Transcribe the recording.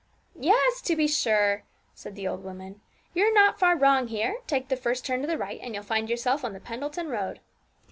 'Yes, to be sure,' said the old woman. 'You're not far wrong here; take the first turn to the right, and you'll find yourself on the Pendleton road.'